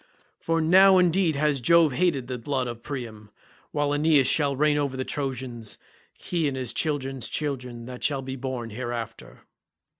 For now indeed has Jove hated the blood of Priam, while Aeneas shall reign over the Trojans, he and his children's children that shall be born hereafter."